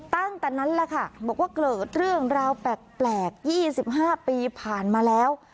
ตั้งแต่นั้นแหละค่ะบอกว่าเกิดเรื่องราวแปลก๒๕ปีผ่านมาแล้ว